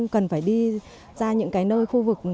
cần phải đi ra những cái nơi khu vực